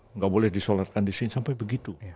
nggak boleh disolatkan di sini sampai begitu